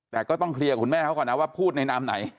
แต่ก็ต้องเคลียร์คุณแม่เขาก่อนนะว่าพูดในนามไหน